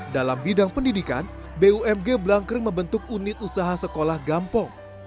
dalam bidang pendidikan bumg blangkring membentuk unit usaha sekolah gampong